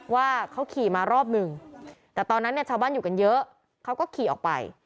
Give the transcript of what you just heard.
ว่าเขาขี่มารอบหนึ่งแต่ตอนนั้นเนี่ยชาวบ้านอยู่กันเยอะเขาก็ขี่ออกไป